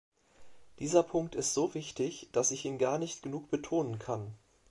Dieser Punkt ist so wichtig, dass ich ihn gar nicht genug betonen kann.